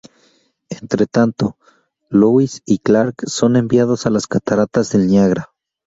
Entre tanto, Lois y Clark son enviados a las Cataratas del Niágara.